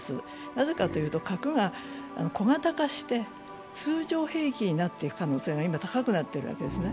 なぜかというと核が小型化して通常兵器になっていく可能性が今、高くなっているわけですね。